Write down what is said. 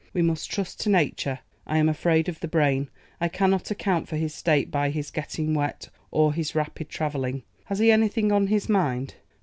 We must trust to nature. I am afraid of the brain. I cannot account for his state by his getting wet or his rapid travelling. Has he anything on his mind?